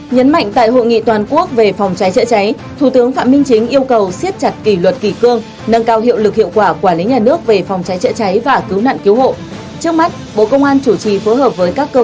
nhấn mạnh tại hội nghị toàn quốc về phòng cháy chữa cháy thủ tướng phạm minh chính yêu cầu siết chặt kỷ luật kỳ cương nâng cao hiệu lực hiệu quả quản lý nhà nước về phòng cháy chữa cháy và cứu nạn cứu hộ